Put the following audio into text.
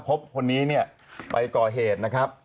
พบคนนี้ไปก่อเหตุ